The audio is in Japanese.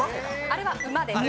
あれは馬です。